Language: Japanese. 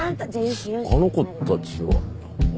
あの子たちは。